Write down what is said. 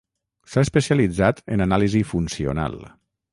S'ha especialitzat en anàlisi funcional.